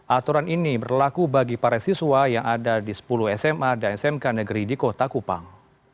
aturan ini berlaku bagi para siswa yang ada di sepuluh sma dan smk negeri di kota kupang